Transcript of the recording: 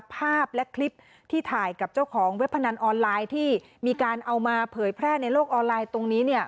ภาพและคลิปที่ถ่ายกับเจ้าของเว็บพนันออนไลน์ที่มีการเอามาเผยแพร่ในโลกออนไลน์ตรงนี้